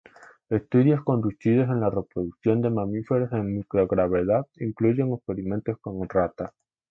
Estudios conducidos en la reproducción de mamíferos en microgravedad incluyen experimentos con ratas.